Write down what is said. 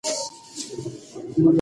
رابعه ګل ناسته وه او غیبت یې کاوه.